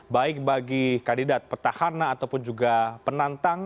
baik bagi kandidat petahana ataupun juga penantang